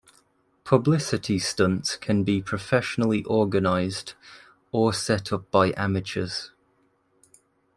Publicity stunts can be professionally organized, or set up by amateurs.